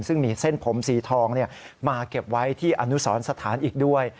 ซึ่งมีเส้นผมสีทองมาเก็บไว้ที่อนุสรสถานอีกด้วย